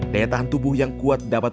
daya tahan tubuh yang kuat dapat